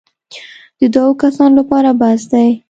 د دوو کسانو لپاره بس دی.